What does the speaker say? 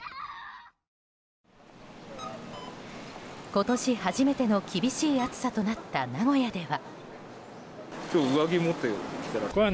今年初めての厳しい暑さとなった名古屋では。